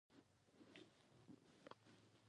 څلور هډوکي، ډنګره پېغله ولاړه وه.